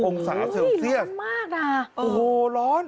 ๓๕๔๐องศาเซลเซียสโอ้โฮร้อนมากน่ะโอ้โฮร้อน